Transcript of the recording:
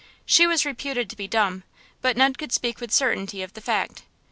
She was reputed to be dumb, but none could speak with certainty of the fact.